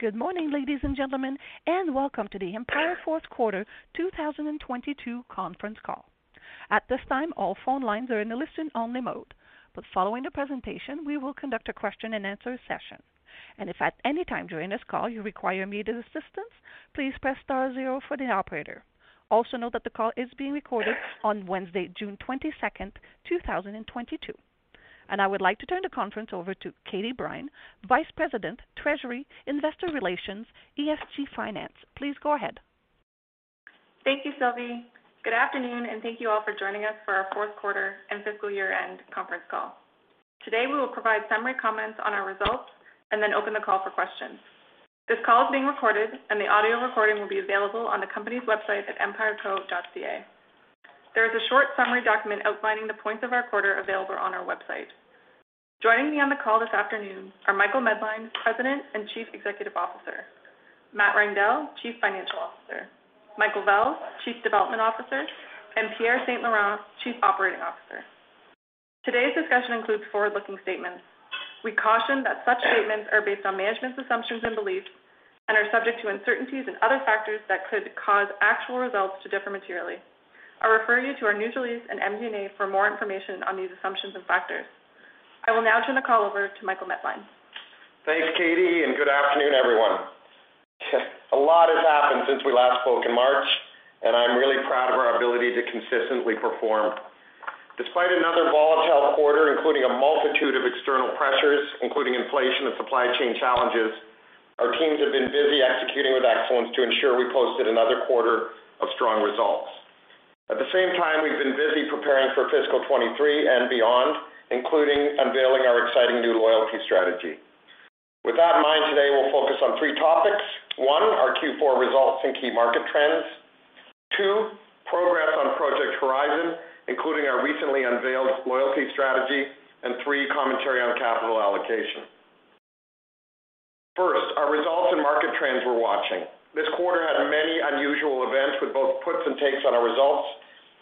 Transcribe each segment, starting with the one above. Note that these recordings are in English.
Good morning, ladies and gentlemen, and welcome to the Empire Fourth Quarter 2022 Conference Call. At this time, all phone lines are in a listen-only mode. Following the presentation, we will conduct a question-and-answer session. If at any time during this call you require immediate assistance, please press star zero for the operator. Also note that the call is being recorded on Wednesday, June 22nd, 2022. I would like to turn the conference over to Katie Brine, Vice President, Treasury, Investor Relations, ESG Finance. Please go ahead. Thank you, Sylvie. Good afternoon, and thank you all for joining us for our fourth quarter and fiscal year-end conference call. Today, we will provide summary comments on our results and then open the call for questions. This call is being recorded and the audio recording will be available on the company's website at empireco.ca. There is a short summary document outlining the points of our quarter available on our website. Joining me on the call this afternoon are Michael Medline, President and Chief Executive Officer, Matt Reindel, Chief Financial Officer, Michael Vels, Chief Development Officer, and Pierre St-Laurent, Chief Operating Officer. Today's discussion includes forward-looking statements. We caution that such statements are based on management's assumptions and beliefs and are subject to uncertainties and other factors that could cause actual results to differ materially. I refer you to our news release and MD&A for more information on these assumptions and factors. I will now turn the call over to Michael Medline. Thanks, Katie, and good afternoon, everyone. A lot has happened since we last spoke in March, and I'm really proud of our ability to consistently perform. Despite another volatile quarter, including a multitude of external pressures, including inflation and supply chain challenges, our teams have been busy executing with excellence to ensure we posted another quarter of strong results. At the same time, we've been busy preparing for fiscal 2023 and beyond, including unveiling our exciting new loyalty strategy. With that in mind, today we'll focus on three topics. One, our Q4 results and key market trends. Two, progress on Project Horizon, including our recently unveiled loyalty strategy. Three, commentary on capital allocation. First, our results and market trends we're watching. This quarter had many unusual events with both puts and takes on our results.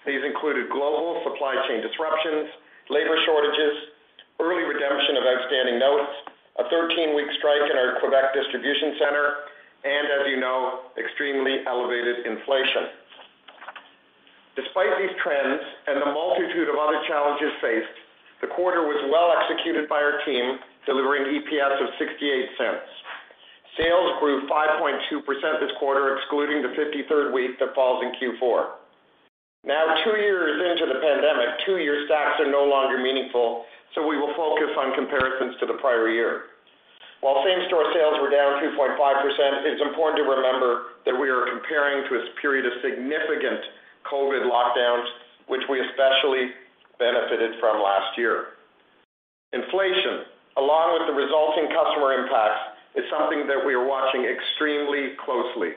These included global supply chain disruptions, labor shortages, early redemption of outstanding notes, a 13-week strike in our Quebec distribution center, and as you know, extremely elevated inflation. Despite these trends and the multitude of other challenges faced, the quarter was well executed by our team, delivering EPS of 0.68. Sales grew 5.2% this quarter, excluding the 53rd week that falls in Q4. Now, two years into the pandemic, twoyear stacks are no longer meaningful, so we will focus on comparisons to the prior year. While same-store sales were down 2.5%, it's important to remember that we are comparing to a period of significant COVID lockdowns, which we especially benefited from last year. Inflation, along with the resulting customer impacts, is something that we are watching extremely closely.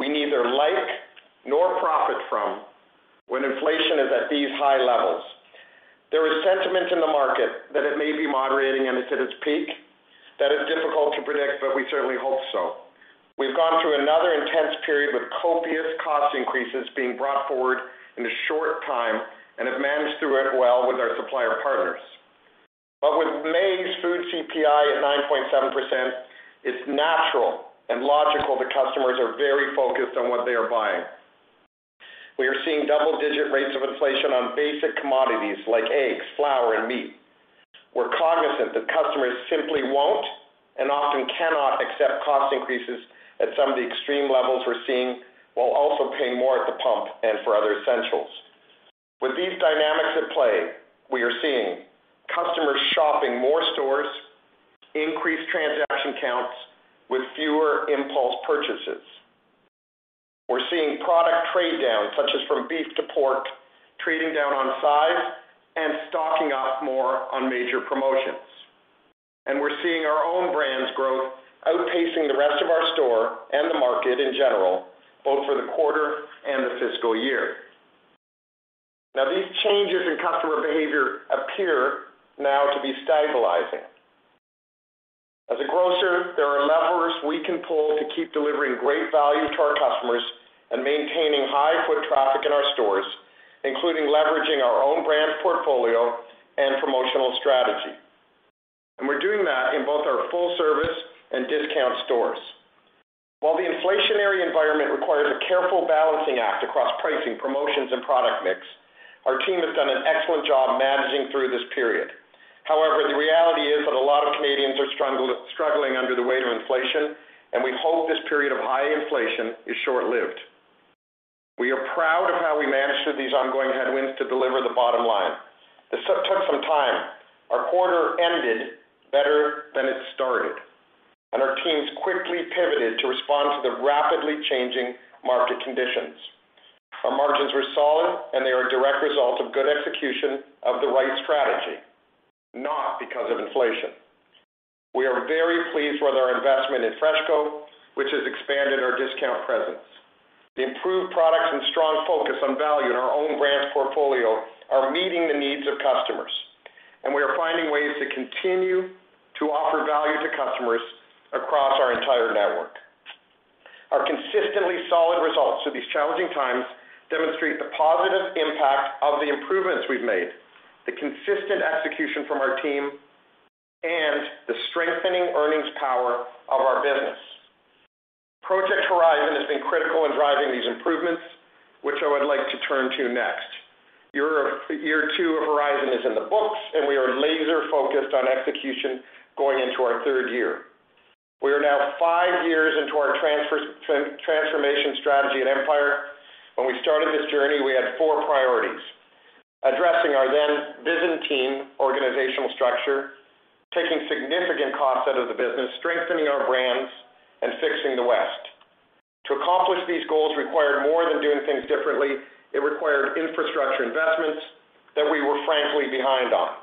We neither like nor profit from when inflation is at these high levels. There is sentiment in the market that it may be moderating and it's at its peak. That is difficult to predict, but we certainly hope so. We've gone through another intense period with copious cost increases being brought forward in a short time and have managed through it well with our supplier partners. With May's food CPI at 9.7%, it's natural and logical that customers are very focused on what they are buying. We are seeing double-digit rates of inflation on basic commodities like eggs, flour, and meat. We're cognizant that customers simply won't and often cannot accept cost increases at some of the extreme levels we're seeing while also paying more at the pump and for other essentials. With these dynamics at play, we are seeing customers shopping more stores, increased transaction counts with fewer impulse purchases. We're seeing product trade down, such as from beef to pork, trading down on size and stocking up more on major promotions. We're seeing our own brands growth outpacing the rest of our store and the market in general, both for the quarter and the fiscal year. Now, these changes in customer behavior appear now to be stabilizing. As a grocer, there are levers we can pull to keep delivering great value to our customers and maintaining high foot traffic in our stores, including leveraging our own brands portfolio and promotional strategy. We're doing that in both our full-service and discount stores. While the inflationary environment requires a careful balancing act across pricing, promotions, and product mix, our team has done an excellent job managing through this period. However, the reality is that a lot of Canadians are struggling under the weight of inflation, and we hope this period of high inflation is short-lived. We are proud of how we managed through these ongoing headwinds to deliver the bottom line. This took some time. Our quarter ended better than it started, and our teams quickly pivoted to respond to the rapidly changing market conditions. Our margins were solid, and they are a direct result of good execution of the right strategy, not because of inflation. We are very pleased with our investment in FreshCo, which has expanded our discount presence. The improved products and strong focus on value in our own brands portfolio are meeting the needs of customers, and we are finding ways to continue to offer value to customers across our entire network. These challenging times demonstrate the positive impact of the improvements we've made, the consistent execution from our team, and the strengthening earnings power of our business. Project Horizon has been critical in driving these improvements, which I would like to turn to next. Year two of Horizon is in the books, and we are laser-focused on execution going into our third year. We are now five years into our transformation strategy at Empire. When we started this journey, we had four priorities. Addressing our then Byzantine organizational structure, taking significant cost out of the business, strengthening our brands, and fixing the West. To accomplish these goals required more than doing things differently. It required infrastructure investments that we were frankly behind on.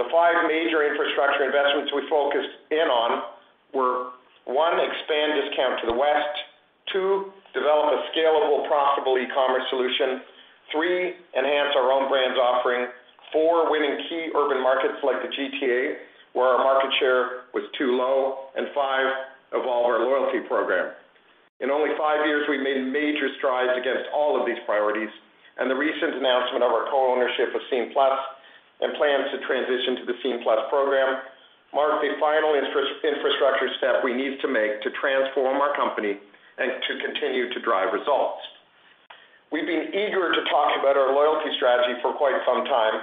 The five major infrastructure investments we focused in on were, one, expand discount to the West. Two, develop a scalable, profitable e-commerce solution. Three, enhance our own brands offering. Four, win in key urban markets like the GTA, where our market share was too low. Five, evolve our loyalty program. In only five years, we've made major strides against all of these priorities, and the recent announcement of our co-ownership of Scene+ and plans to transition to the Scene+ program mark the final infrastructure step we need to make to transform our company and to continue to drive results. We've been eager to talk about our loyalty strategy for quite some time,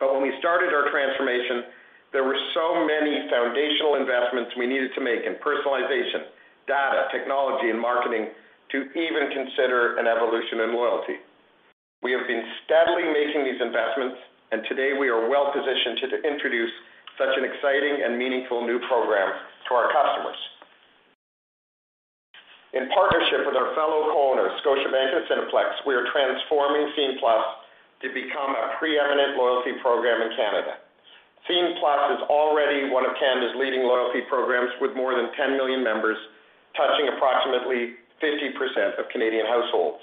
but when we started our transformation, there were so many foundational investments we needed to make in personalization, data, technology, and marketing to even consider an evolution in loyalty. We have been steadily making these investments, and today we are well-positioned to introduce such an exciting and meaningful new program to our customers. In partnership with our fellow co-owners, Scotiabank and Cineplex, we are transforming Scene+ to become a preeminent loyalty program in Canada. Scene+ is already one of Canada's leading loyalty programs with more than 10 million members, touching approximately 50% of Canadian households.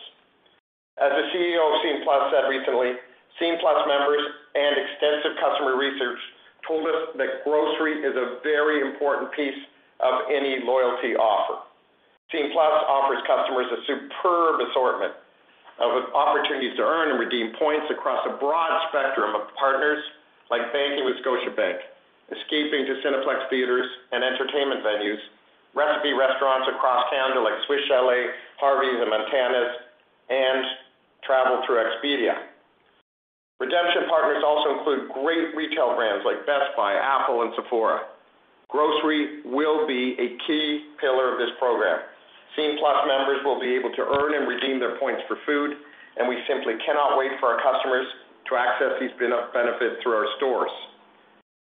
As the CEO of Scene+ said recently, Scene+ members and extensive customer research told us that grocery is a very important piece of any loyalty offer. Scene+ offers customers a superb assortment of opportunities to earn and redeem points across a broad spectrum of partners like banking with Scotiabank, escaping to Cineplex theaters and entertainment venues, Recipe restaurants across Canada like Swiss Chalet, Harvey's and Montana's, and travel through Expedia. Redemption partners also include great retail brands like Best Buy, Apple, and Sephora. Grocery will be a key pillar of this program. Scene+ members will be able to earn and redeem their points for food, and we simply cannot wait for our customers to access these benefits through our stores.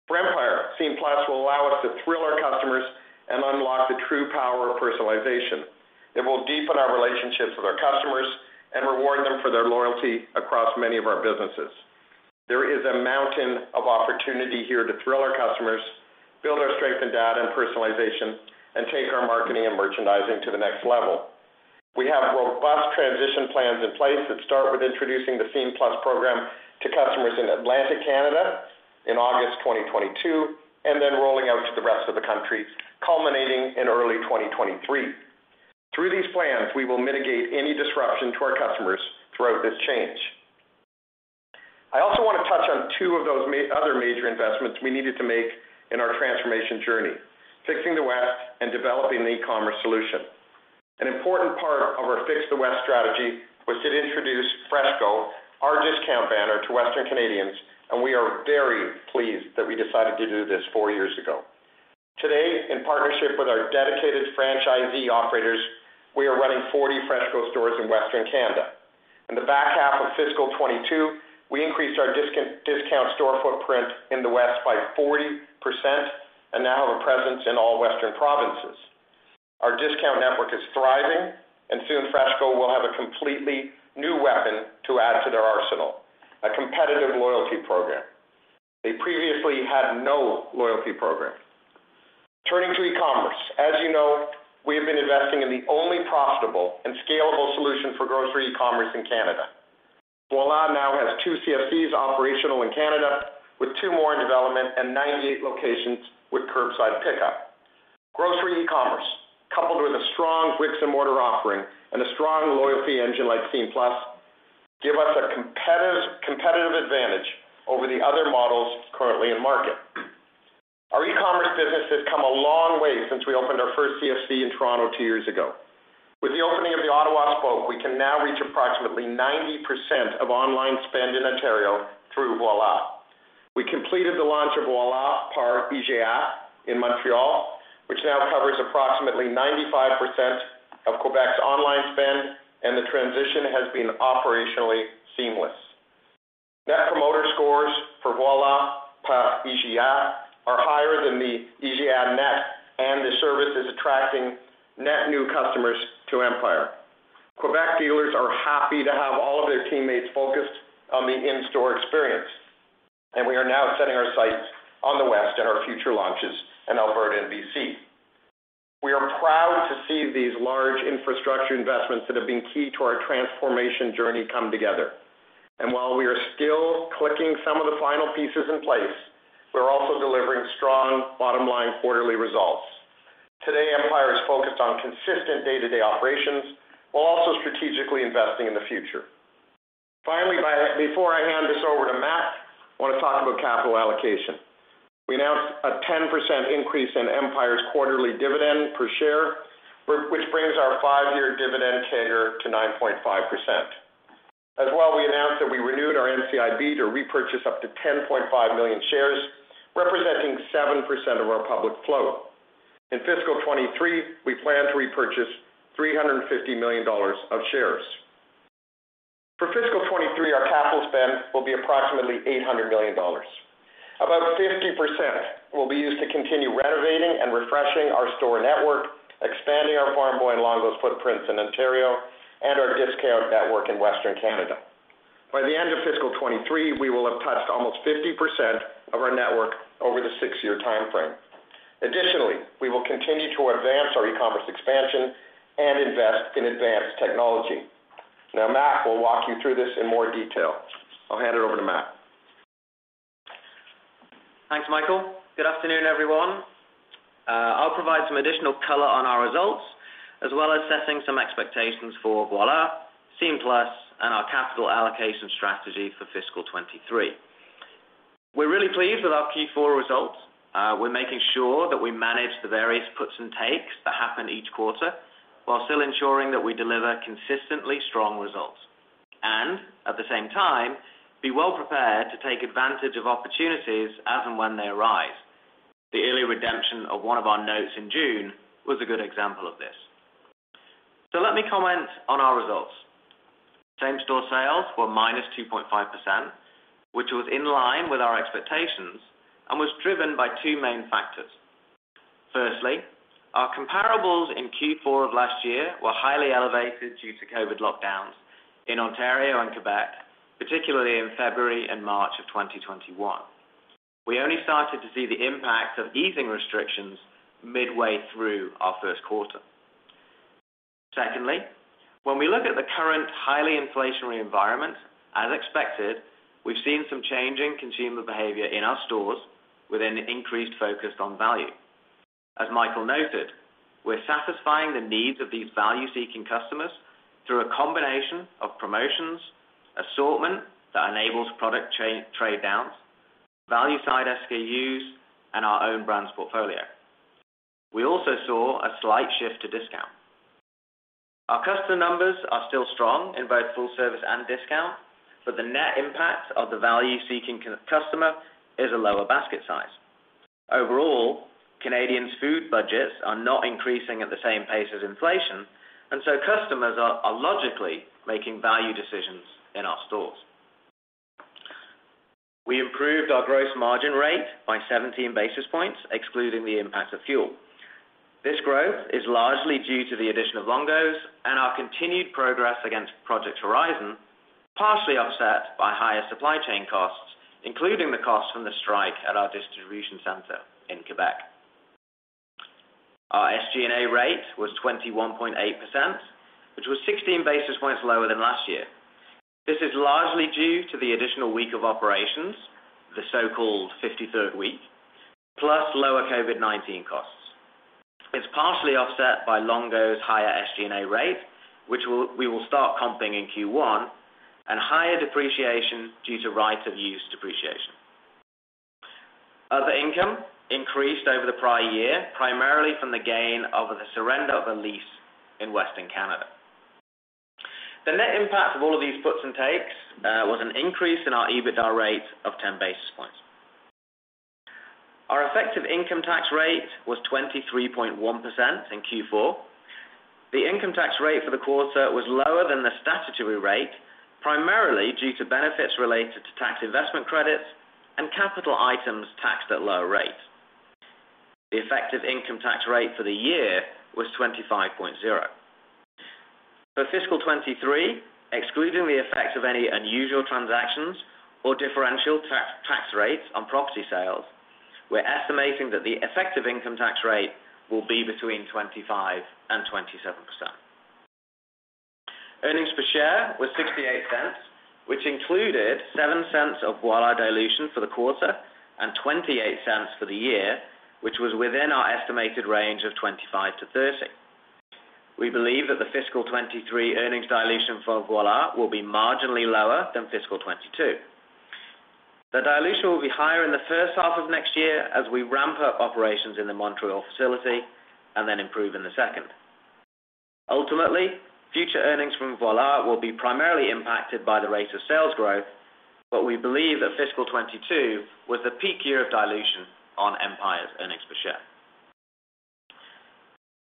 For Empire, Scene+ will allow us to thrill our customers and unlock the true power of personalization. It will deepen our relationships with our customers and reward them for their loyalty across many of our businesses. There is a mountain of opportunity here to thrill our customers, build our strength in data and personalization, and take our marketing and merchandising to the next level. We have robust transition plans in place that start with introducing the Scene+ program to customers in Atlantic Canada in August 2022, and then rolling out to the rest of the country, culminating in early 2023. Through these plans, we will mitigate any disruption to our customers throughout this change. I also wanna touch on two of those other major investments we needed to make in our transformation journey, fixing the West and developing the e-commerce solution. An important part of our Fix the West strategy was to introduce FreshCo, our discount banner, to Western Canadians, and we are very pleased that we decided to do this four years ago. Today, in partnership with our dedicated franchisee operators, we are running 40 FreshCo stores in Western Canada. In the back half of fiscal 2022, we increased our discount store footprint in the West by 40% and now have a presence in all Western provinces. Our discount network is thriving, and soon FreshCo will have a completely new weapon to add to their arsenal, a competitive loyalty program. They previously had no loyalty program. Turning to e-commerce, as you know, we have been investing in the only profitable and scalable solution for grocery e-commerce in Canada. Voilà now has two CFCs operational in Canada with two more in development and 98 locations with curbside pickup. Grocery e-commerce, coupled with a strong bricks-and-mortar offering and a strong loyalty engine like Scene+, give us a competitive advantage over the other models currently in market. Our e-commerce business has come a long way since we opened our first CFC in Toronto two years ago. With the opening of the Ottawa spoke, we can now reach approximately 90% of online spend in Ontario through Voilà. We completed the launch of Voilà par IGA in Montreal, which now covers approximately 95% of Quebec's online spend, and the transition has been operationally seamless. Net promoter scores for Voilà par IGA are higher than the IGA.net, and the service is attracting net new customers to Empire. Quebec dealers are happy to have all of their teammates focused on the in-store experience, and we are now setting our sights on the West and our future launches in Alberta and BC. We are proud to see these large infrastructure investments that have been key to our transformation journey come together. While we are still locking some of the final pieces in place, we're also delivering strong bottom-line quarterly results. Today, Empire is focused on consistent day-to-day operations while also strategically investing in the future. Finally, before I hand this over to Matt, I wanna talk about capital allocation. We announced a 10% increase in Empire's quarterly dividend per share, which brings our five-year dividend CAGR to 9.5%. As well, we announced that we renewed our NCIB to repurchase up to 10.5 million shares, representing 7% of our public float. In fiscal 2023, we plan to repurchase 350 million dollars of shares. For fiscal 2023, our capital spend will be approximately 800 million dollars. About 50% will be used to continue renovating and refreshing our store network, expanding our Farm Boy and Longo's footprints in Ontario and our discount network in Western Canada. By the end of fiscal 2023, we will have touched almost 50% of our network over the six-year timeframe. Additionally, we will continue to advance our e-commerce expansion and invest in advanced technology. Now, Matt will walk you through this in more detail. I'll hand it over to Matt. Thanks, Michael. Good afternoon, everyone. I'll provide some additional color on our results, as well as setting some expectations for Voilà, Scene+, and our capital allocation strategy for fiscal 2023. We're really pleased with our Q4 results. We're making sure that we manage the various puts and takes that happen each quarter while still ensuring that we deliver consistently strong results and, at the same time, be well prepared to take advantage of opportunities as and when they arise. The early redemption of one of our notes in June was a good example of this. Let me comment on our results. Same-store sales were minus 2.5%, which was in line with our expectations and was driven by two main factors. Firstly, our comparables in Q4 of last year were highly elevated due to COVID lockdowns in Ontario and Quebec, particularly in February and March of 2021. We only started to see the impact of easing restrictions midway through our first quarter. Secondly, when we look at the current highly inflationary environment, as expected, we've seen some change in consumer behavior in our stores with an increased focus on value. As Michael noted, we're satisfying the needs of these value-seeking customers through a combination of promotions, assortment that enables product trade downs, value-side SKUs, and our own brands portfolio. We also saw a slight shift to discount. Our customer numbers are still strong in both full service and discount, but the net impact of the value-seeking customer is a lower basket size. Overall, Canadians' food budgets are not increasing at the same pace as inflation, and so customers are logically making value decisions in our stores. We improved our gross margin rate by 17 basis points, excluding the impact of fuel. This growth is largely due to the addition of Longo's and our continued progress against Project Horizon, partially offset by higher supply chain costs, including the cost from the strike at our distribution center in Quebec. Our SG&A rate was 21.8%, which was 16 basis points lower than last year. This is largely due to the additional week of operations, the so-called 53rd week, plus lower COVID-19 costs. It's partially offset by Longo's higher SG&A rate, which we will start comping in Q1, and higher depreciation due to right-of-use depreciation. Other income increased over the prior year, primarily from the gain of the surrender of a lease in Western Canada. The net impact of all of these puts and takes was an increase in our EBITDA rate of 10 basis points. Our effective income tax rate was 23.1% in Q4. The income tax rate for the quarter was lower than the statutory rate, primarily due to benefits related to tax investment credits and capital items taxed at lower rates. The effective income tax rate for the year was 25.0%. For fiscal 2023, excluding the effects of any unusual transactions or differential tax rates on property sales, we're estimating that the effective income tax rate will be between 25% and 27%. Earnings per share was 0.68, which included 0.07 of Voilà dilution for the quarter and 0.28 for the year, which was within our estimated range of 0.25-0.30. We believe that the fiscal 2023 earnings dilution for Voilà will be marginally lower than fiscal 2022. The dilution will be higher in the first half of next year as we ramp up operations in the Montreal facility and then improve in the second. Ultimately, future earnings from Voilà will be primarily impacted by the rate of sales growth, but we believe that fiscal 2022 was the peak year of dilution on Empire's earnings per share.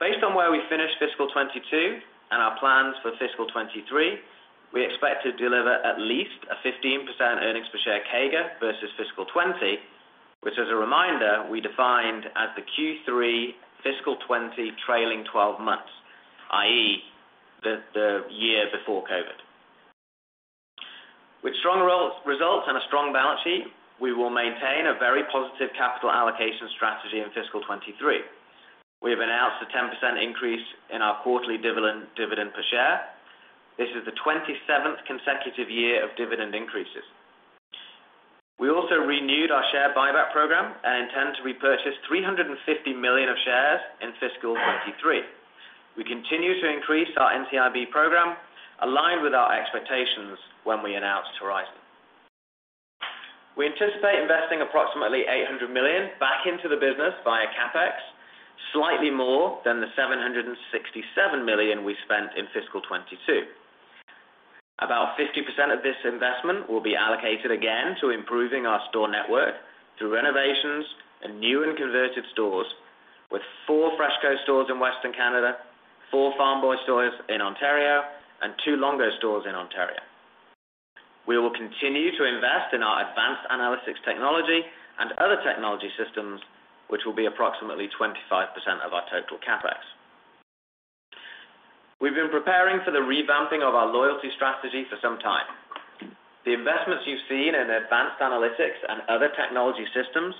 Based on where we finished fiscal 2022 and our plans for fiscal 2023, we expect to deliver at least a 15% earnings per share CAGR versus fiscal 2020, which as a reminder, we defined as the Q3 fiscal 2020 trailing twelve months, i.e., the year before COVID. With strong balance sheet, we will maintain a very positive capital allocation strategy in fiscal 2023. We have announced a 10% increase in our quarterly dividend per share. This is the 27th consecutive year of dividend increases. We also renewed our share buyback program and intend to repurchase 350 million of shares in fiscal 2023. We continue to increase our NCIB program, aligned with our expectations when we announced Horizon. We anticipate investing approximately 800 million back into the business via CapEx, slightly more than the 767 million we spent in fiscal 2022. About 50% of this investment will be allocated again to improving our store network through renovations and new and converted stores, with four FreshCo stores in Western Canada, four Farm Boy stores in Ontario, and two Longo's stores in Ontario. We will continue to invest in our advanced analytics technology and other technology systems, which will be approximately 25% of our total CapEx. We've been preparing for the revamping of our loyalty strategy for some time. The investments you've seen in advanced analytics and other technology systems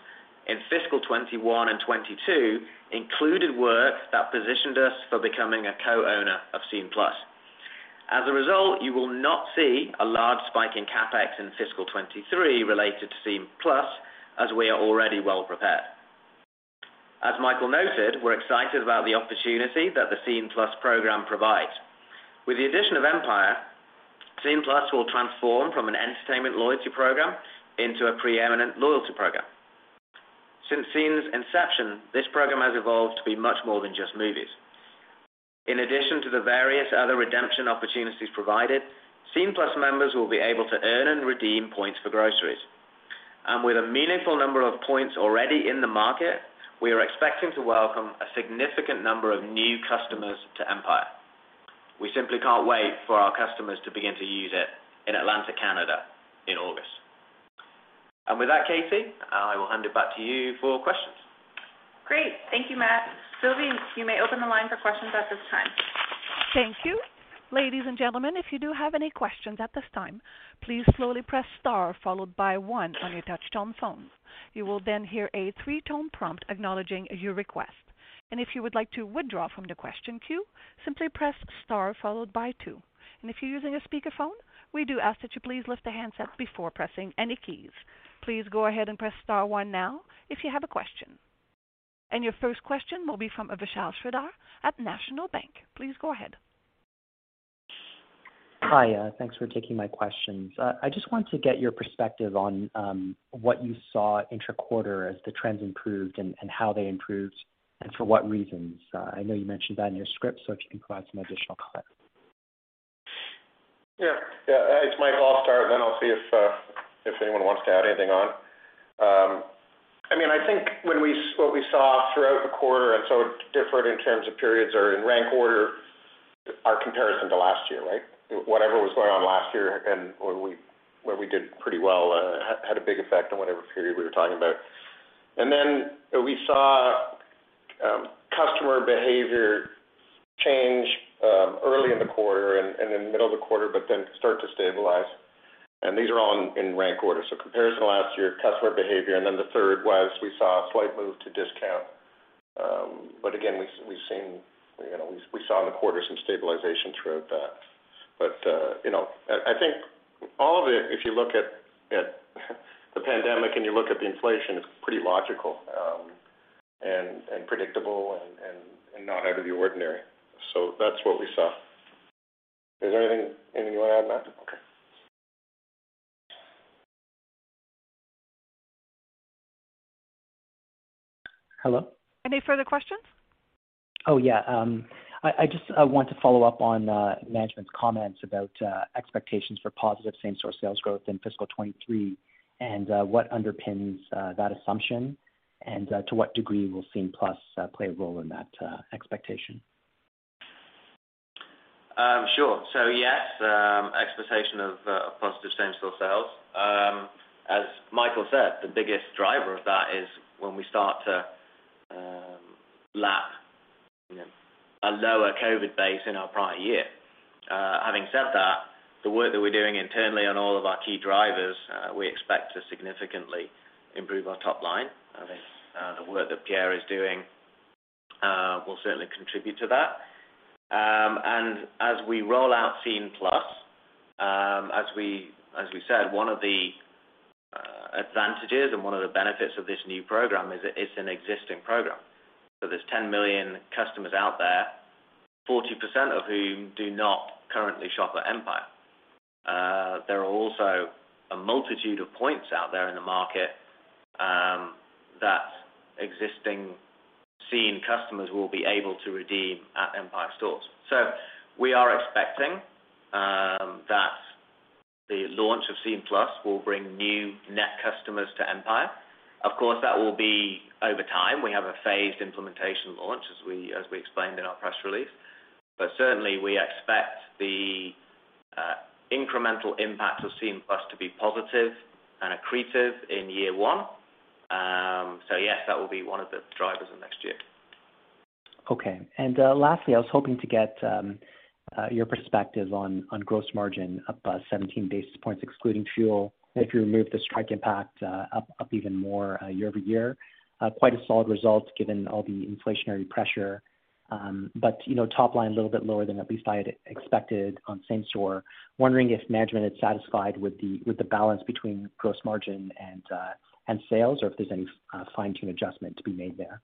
in fiscal 2021 and 2022 included work that positioned us for becoming a co-owner of Scene+. As a result, you will not see a large spike in CapEx in fiscal 2023 related to Scene+, as we are already well prepared. As Michael noted, we're excited about the opportunity that the Scene+ program provides. With the addition of Empire, Scene+ will transform from an entertainment loyalty program into a preeminent loyalty program. Since Scene's inception, this program has evolved to be much more than just movies. In addition to the various other redemption opportunities provided, Scene+ members will be able to earn and redeem points for groceries. With a meaningful number of points already in the market, we are expecting to welcome a significant number of new customers to Empire. We simply can't wait for our customers to begin to use it in Atlantic Canada in August. With that, Katie, I will hand it back to you for questions. Great. Thank you, Matt. Sylvie, you may open the line for questions at this time. Thank you. Ladies and gentlemen, if you do have any questions at this time, please slowly press star followed by one on your touchtone phones. You will then hear a three-tone prompt acknowledging your request. If you would like to withdraw from the question queue, simply press star followed by two. If you're using a speakerphone, we do ask that you please lift the handset before pressing any keys. Please go ahead and press star one now if you have a question. Your first question will be from Vishal Shreedhar at National Bank Financial. Please go ahead. Hi, thanks for taking my questions. I just want to get your perspective on what you saw intra-quarter as the trends improved and how they improved and for what reasons. I know you mentioned that in your script, so if you can provide some additional color. Yeah. Yeah, it's Mike. I'll start, then I'll see if anyone wants to add anything on. I mean, I think what we saw throughout the quarter, and so different in terms of periods or in rank order, our comparison to last year, right? Whatever was going on last year and where we did pretty well had a big effect on whatever period we were talking about. We saw customer behavior change early in the quarter and in the middle of the quarter, but then start to stabilize. These are all in rank order. Comparison to last year, customer behavior, and then the third was we saw a slight move to discount. Again, we've seen, you know, we saw in the quarter some stabilization throughout that. You know, I think all of it, if you look at the pandemic and you look at the inflation, it's pretty logical and not out of the ordinary. That's what we saw. Is there anything you wanna add, Matt? Okay. Hello? Any further questions? Oh, yeah. I just want to follow up on management's comments about expectations for positive same-store sales growth in fiscal 2023 and what underpins that assumption and to what degree will Scene+ play a role in that expectation? Sure. Yes, expectation of positive same-store sales. As Michael said, the biggest driver of that is when we start to lap a lower COVID base in our prior year. Having said that, the work that we're doing internally on all of our key drivers, we expect to significantly improve our top line. I think, the work that Pierre is doing, will certainly contribute to that. As we roll out Scene+, as we said, one of the advantages and one of the benefits of this new program is it's an existing program. There's 10 million customers out there, 40% of whom do not currently shop at Empire. There are also a multitude of points out there in the market that existing Scene+ customers will be able to redeem at Empire stores. We are expecting that the launch of Scene+ will bring new net customers to Empire. Of course, that will be over time. We have a phased implementation launch as we explained in our press release. Certainly, we expect the incremental impact of Scene+ to be positive and accretive in year one. Yes, that will be one of the drivers of next year. Okay. Lastly, I was hoping to get your perspective on gross margin up 17 basis points excluding fuel. If you remove the strike impact, up even more year-over-year. Quite a solid result given all the inflationary pressure. You know, top line a little bit lower than at least I had expected on same store. Wondering if management is satisfied with the balance between gross margin and sales, or if there's any fine-tune adjustment to be made there.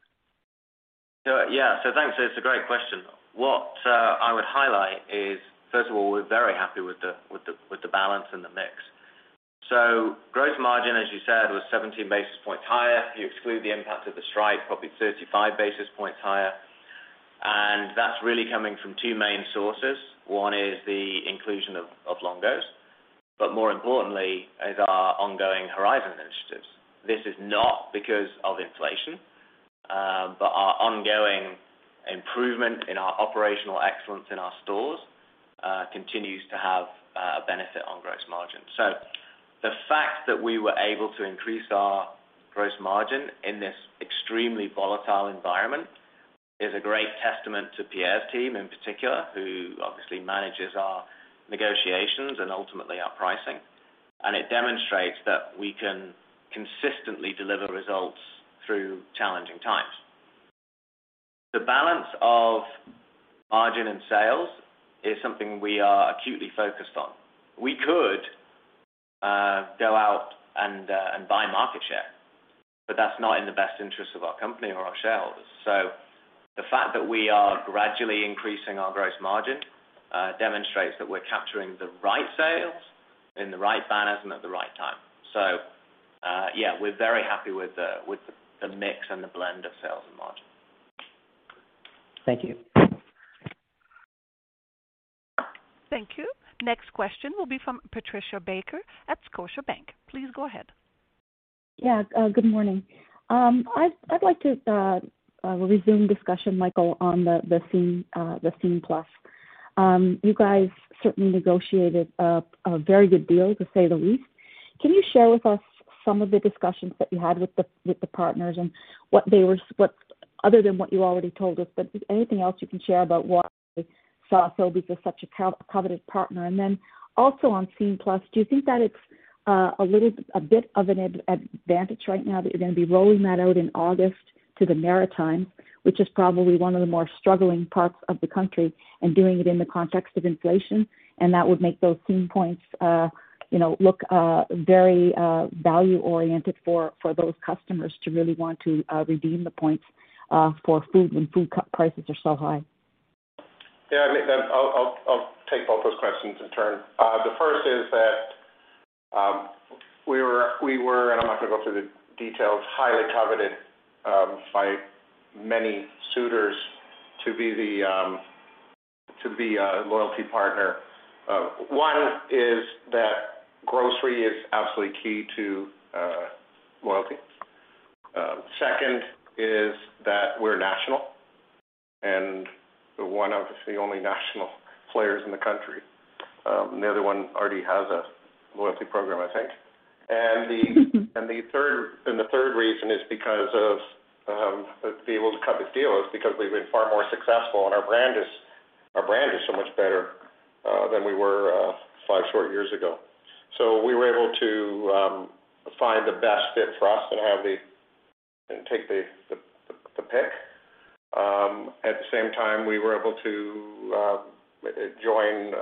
Yeah. Thanks. It's a great question. What I would highlight is, first of all, we're very happy with the balance and the mix. Gross margin, as you said, was 17 basis points higher. You exclude the impact of the strike, probably 35 basis points higher, and that's really coming from two main sources. One is the inclusion of Longo's, but more importantly is our ongoing Horizon initiatives. This is not because of inflation, but our ongoing improvement in our operational excellence in our stores continues to have a benefit on gross margin. The fact that we were able to increase our gross margin in this extremely volatile environment is a great testament to Pierre's team, in particular, who obviously manages our negotiations and ultimately our pricing. It demonstrates that we can consistently deliver results through challenging times. The balance of margin and sales is something we are acutely focused on. We could go out and buy market share, but that's not in the best interest of our company or our shareholders. The fact that we are gradually increasing our gross margin demonstrates that we're capturing the right sales in the right banners and at the right time. Yeah, we're very happy with the mix and the blend of sales and margin. Thank you. Thank you. Next question will be from Patricia Baker at Scotiabank. Please go ahead. Yeah, good morning. I'd like to resume discussion, Michael, on the Scene+. You guys certainly negotiated a very good deal, to say the least. Can you share with us some of the discussions that you had with the partners and what other than what you already told us, but anything else you can share about why Sobeys is such a coveted partner? Also on Scene+, do you think that it's a little bit of an advantage right now that you're gonna be rolling that out in August to the Maritimes, which is probably one of the more struggling parts of the country, and doing it in the context of inflation, and that would make those Scene+ points, you know, look very value-oriented for those customers to really want to redeem the points for food when food prices are so high? Yeah, I mean, I'll take both those questions in turn. The first is that we were, and I'm not gonna go through the details, highly coveted by many suitors to be a loyalty partner. One is that grocery is absolutely key to loyalty. Second is that we're national and we're one of, if not the only, national players in the country. The other one already has a loyalty program, I think. The third reason is because, to be able to cut this deal, is because we've been far more successful and our brand is so much better than we were five short years ago. We were able to find the best fit for us and take the pick. At the same time, we were able to join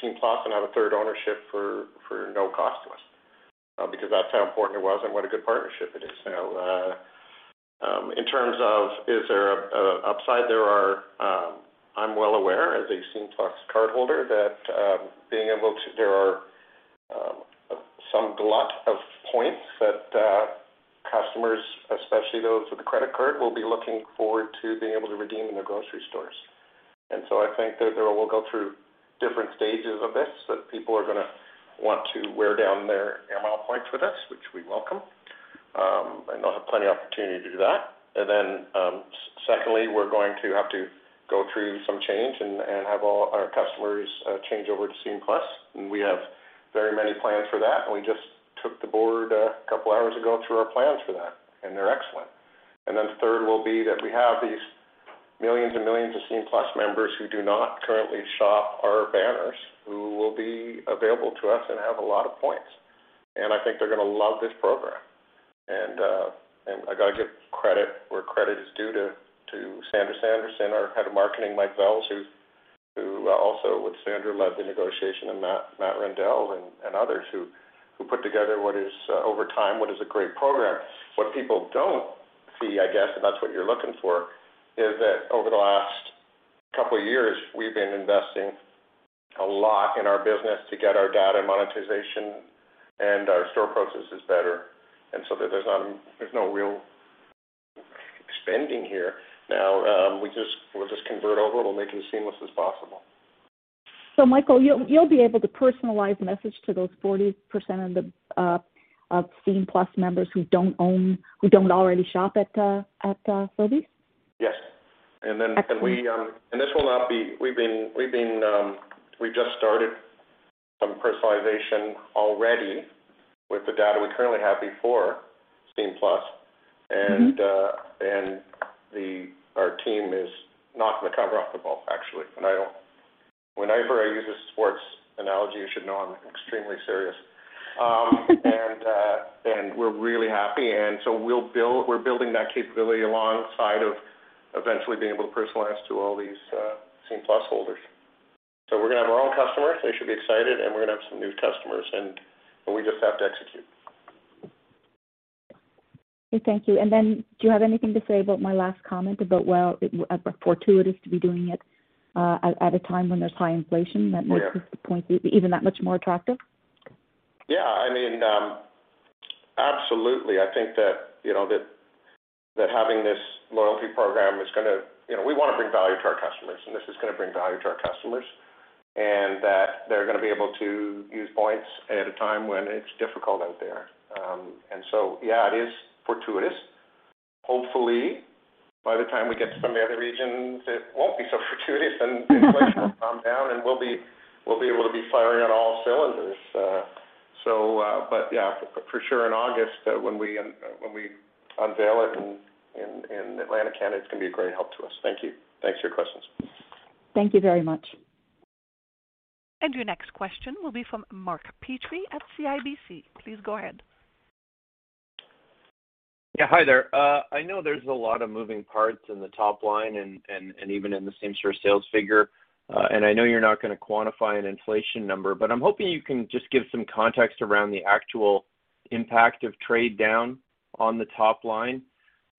Scene+ and have a third ownership for no cost to us, because that's how important it was and what a good partnership it is. Now, in terms of, is there upside? I'm well aware as a Scene+ cardholder that there are some glut of points that customers, especially those with a credit card, will be looking forward to being able to redeem in their grocery stores. I think that there we'll go through different stages of this, that people are gonna want to redeem their Air Miles points with us, which we welcome, and they'll have plenty opportunity to do that. Secondly, we're going to have to go through some change and have all our customers change over to Scene+. We have very many plans for that. We just took the board a couple of hours ago through our plans for that, and they're excellent. Third will be that we have these millions and millions of Scene+ members who do not currently shop our banners who will be available to us and have a lot of points. I think they're gonna love this program. I gotta give credit where credit is due to Sandra Sanderson, our head of marketing, Michael Vels, who also with Sandra led the negotiation, and Matt Reindel and others who put together what is, over time, a great program. What people don't see, I guess, and that's what you're looking for, is that over the last couple of years, we've been investing a lot in our business to get our data monetization and our store processes better. That there's no real expansion here. Now, we'll just convert over. It'll make it as seamless as possible. Michael, you'll be able to personalize message to those 40% of the Scene+ members who don't already shop at Sobeys? Yes. Okay. This will not be. We've just started- Some personalization already with the data we currently have before Scene+. Mm-hmm. Our team is knocking the cover off the ball, actually. Whenever I use a sports analogy, you should know I'm extremely serious. We're really happy. We're building that capability alongside of eventually being able to personalize to all these Scene Plus holders. We're gonna have our own customers, they should be excited, and we're gonna have some new customers, and we just have to execute. Okay, thank you. Do you have anything to say about my last comment about, well, fortuitous to be doing it at a time when there's high inflation? Yeah. That makes the points even that much more attractive? Yeah. I mean, absolutely. I think that you know having this loyalty program is gonna bring value to our customers, and this is gonna bring value to our customers. They're gonna be able to use points at a time when it's difficult out there. Yeah, it is fortuitous. Hopefully, by the time we get to some of the other regions, it won't be so fortuitous and inflation will calm down, and we'll be able to be firing on all cylinders. Yeah, for sure, in August, when we unveil it in Atlantic Canada, it's gonna be a great help to us. Thank you. Thanks for your questions. Thank you very much. Your next question will be from Mark Petrie at CIBC. Please go ahead. Yeah, hi there. I know there's a lot of moving parts in the top line and even in the same-store sales figure, and I know you're not gonna quantify an inflation number, but I'm hoping you can just give some context around the actual impact of trade down on the top line.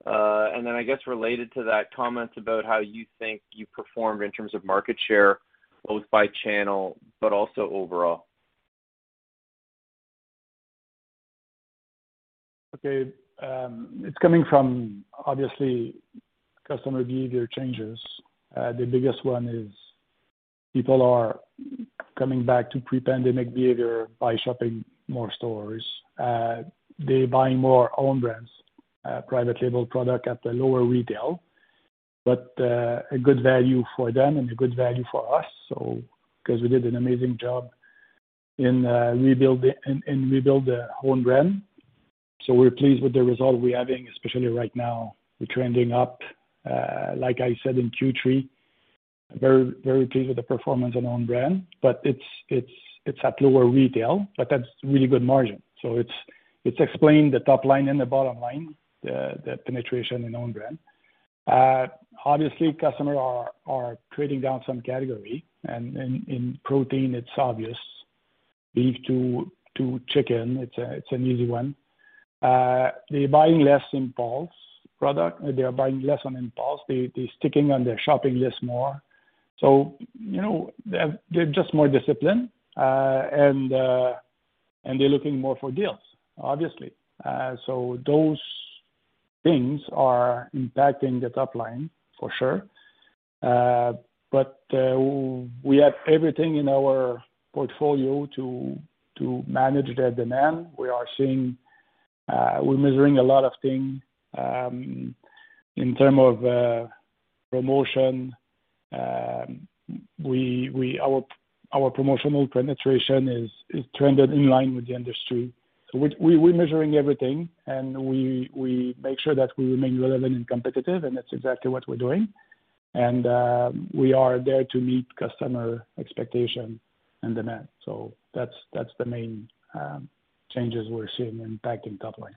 I guess related to that, comments about how you think you performed in terms of market share, both by channel but also overall. Okay. It's coming from, obviously, customer behavior changes. The biggest one is people are coming back to pre-pandemic behavior by shopping more stores. They're buying more own brands, private label product at a lower retail. A good value for them and a good value for us, 'cause we did an amazing job in rebuilding the own brand. We're pleased with the result we're having, especially right now. We're trending up, like I said, in Q3. Very, very pleased with the performance on own brand, but it's at lower retail, but that's really good margin. It explains the top line and the bottom line, the penetration in own brand. Obviously, customers are trading down some category and in protein, it's obvious. beef to chicken, it's an easy one. They're buying less impulse product. They are buying less on impulse. They're sticking to their shopping list more. You know, they're just more disciplined, and they're looking more for deals, obviously. Those things are impacting the top line for sure. We have everything in our portfolio to manage the demand. We are seeing. We're measuring a lot of things in terms of promotion. Our promotional penetration is trended in line with the industry. We're measuring everything and we make sure that we remain relevant and competitive, and that's exactly what we're doing. We are there to meet customer expectation and demand. That's the main changes we're seeing impacting top line.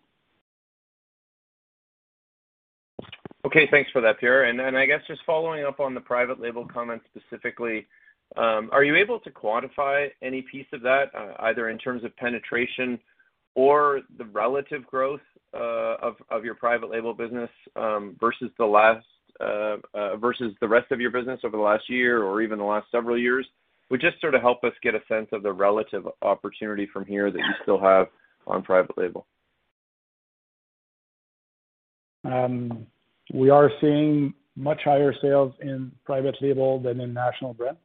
Okay, thanks for that, Pierre. I guess just following up on the private label comments specifically, are you able to quantify any piece of that, either in terms of penetration or the relative growth, of your private label business, versus the rest of your business over the last year or even the last several years? Would just sort of help us get a sense of the relative opportunity from here that you still have on private label. We are seeing much higher sales in private label than in national brand,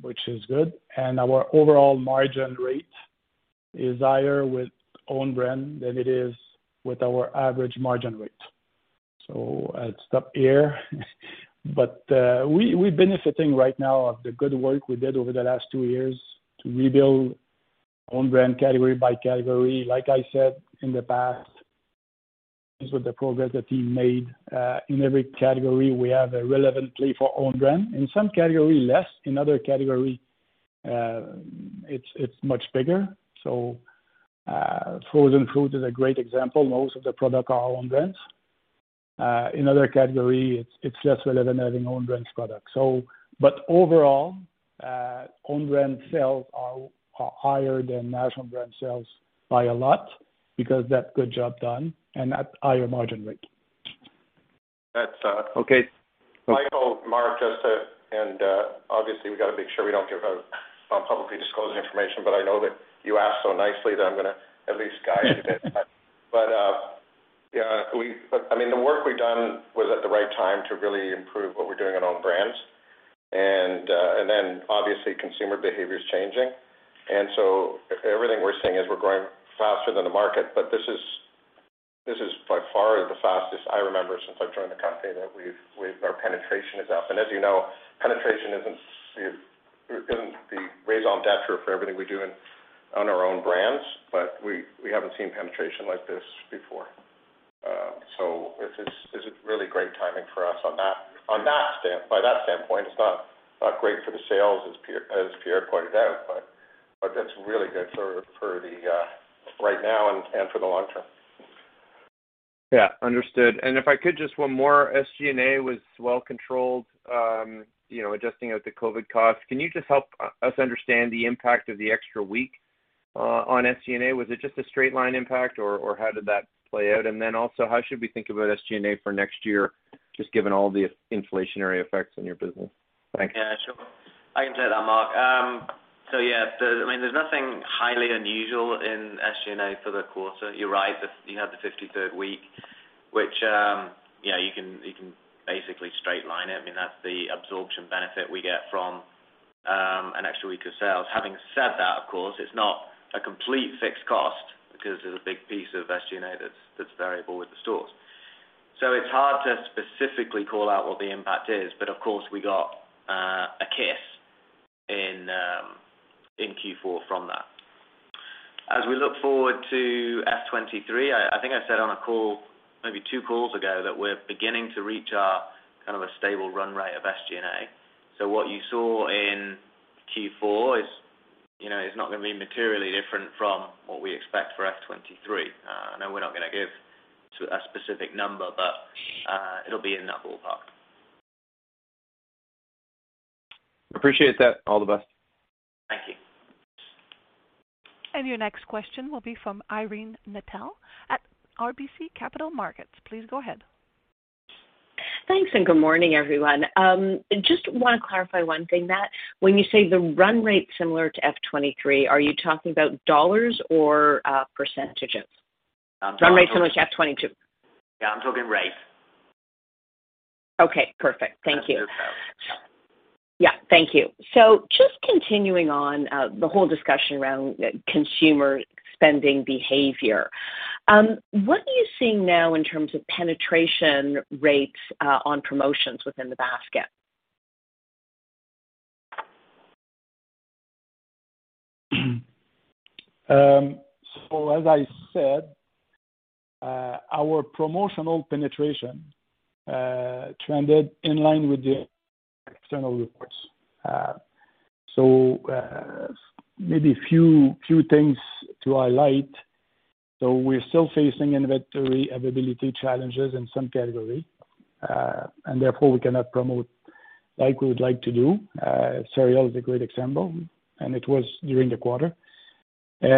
which is good. Our overall margin rate is higher with own brand than it is with our average margin rate. I'll stop here. We're benefiting right now of the good work we did over the last two years to rebuild own brand category by category. Like I said in the past, with the progress the team made, in every category, we have a relevant play for own brand. In some category, less. In other category, it's much bigger. Frozen food is a great example. Most of the product are our own brands. In other category, it's less relevant having own brands products. Overall, own brand sales are higher than national brand sales by a lot because that's good job done and at higher margin rate. That's. Okay. Michael, Mark, obviously, we gotta make sure we don't give out publicly disclosed information, but I know that you asked so nicely that I'm gonna at least guide you a bit. I mean, the work we've done was at the right time to really improve what we're doing on own brands. Then obviously consumer behavior is changing. Everything we're seeing is we're growing faster than the market, but this is. This is by far the fastest I remember since I've joined the company that our penetration is up. As you know, penetration isn't it wouldn't be raison d'être for everything we do on our own brands, but we haven't seen penetration like this before. This is really great timing for us on that by that standpoint. It's not great for the sales as Pierre pointed out, but that's really good for the right now and for the long term. Yeah. Understood. If I could just one more SG&A was well controlled, you know, adjusting out the COVID costs. Can you just help us understand the impact of the extra week on SG&A? Was it just a straight line impact or how did that play out? Then also, how should we think about SG&A for next year, just given all the inflationary effects on your business? Thanks. Yeah, sure. I can take that, Mark. Yeah. I mean, there's nothing highly unusual in SG&A for the quarter. You're right. You know, the fifty-third week, which you can basically straight line it. I mean, that's the absorption benefit we get from an extra week of sales. Having said that, of course, it's not a complete fixed cost because there's a big piece of SG&A that's variable with the stores. It's hard to specifically call out what the impact is. Of course, we got a boost in Q4 from that. As we look forward to FY 2023, I think I said on a call, maybe two calls ago, that we're beginning to reach our kind of a stable run rate of SG&A. What you saw in Q4 is, you know, not gonna be materially different from what we expect for FY 2023. I know we're not gonna give you a specific number, but it'll be in that ballpark. Appreciate that. All the best. Thank you. Your next question will be from Irene Nattel at RBC Capital Markets. Please go ahead. Thanks, and good morning, everyone. Just wanna clarify one thing, Matt. When you say the run rate similar to FY 2023, are you talking about dollars or percentages? Dollars. Run rate similar to FY 2022. Yeah, I'm talking rate. Okay, perfect. Thank you. That's fair. Got it. Yeah. Thank you. Just continuing on, the whole discussion around consumer spending behavior. What are you seeing now in terms of penetration rates, on promotions within the basket? As I said, our promotional penetration trended in line with the external reports. Maybe few things to highlight. We're still facing inventory availability challenges in some category, and therefore we cannot promote like we would like to do. Cereal is a great example, and it was during the quarter. We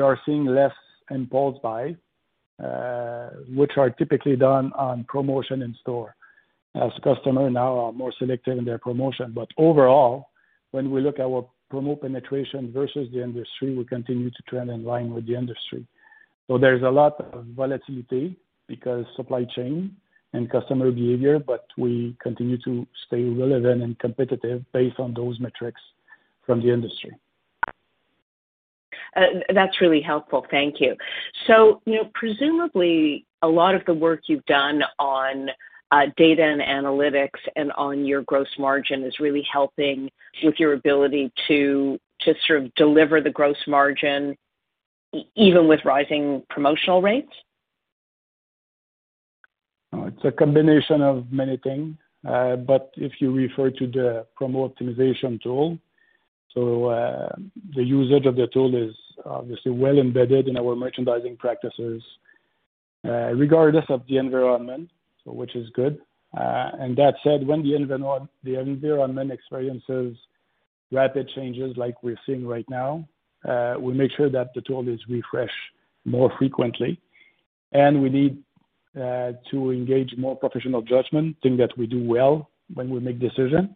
are seeing less impulse buy, which are typically done on promotion in store as customer now are more selective in their promotion. Overall, when we look at our promo penetration versus the industry, we continue to trend in line with the industry. There's a lot of volatility because supply chain and customer behavior, but we continue to stay relevant and competitive based on those metrics from the industry. That's really helpful. Thank you. You know, presumably a lot of the work you've done on data and analytics and on your gross margin is really helping with your ability to sort of deliver the gross margin even with rising promotional rates? It's a combination of many things. But if you refer to the promo optimization tool, the usage of the tool is obviously well embedded in our merchandising practices, regardless of the environment, which is good. That said, when the environment experiences rapid changes like we're seeing right now, we make sure that the tool is refreshed more frequently. We need to engage more professional judgment, thing that we do well when we make decision.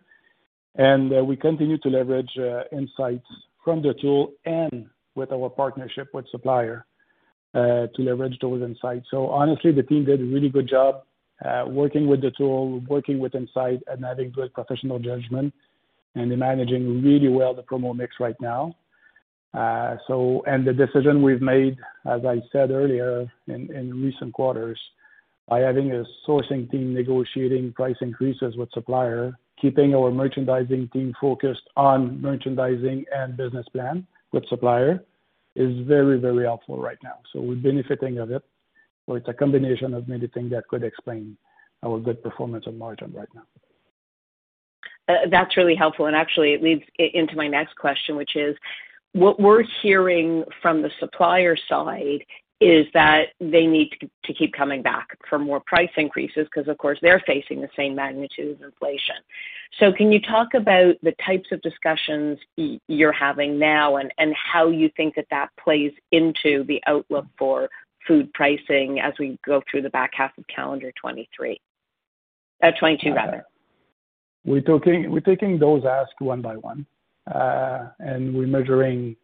We continue to leverage insights from the tool and with our partnership with supplier to leverage those insights. Honestly, the team did a really good job, working with the tool, working with insight, and having good professional judgment and managing really well the promo mix right now. The decision we've made, as I said earlier in recent quarters, by having a sourcing team negotiating price increases with supplier, keeping our merchandising team focused on merchandising and business plan with supplier is very, very helpful right now. We're benefiting of it. It's a combination of many thing that could explain our good performance on margin right now. That's really helpful. Actually it leads into my next question, which is, what we're hearing from the supplier side is that they need to keep coming back for more price increases because of course they're facing the same magnitude of inflation. Can you talk about the types of discussions you're having now and how you think that plays into the outlook for food pricing as we go through the back half of calendar 2022 rather? We're taking those asks one-by-one, and we're measuring